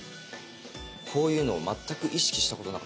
こういうのを全く意識したことなかったです。